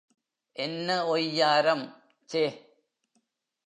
என்ன ஒய்யாரம் சே!